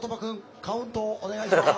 カウントをお願いします！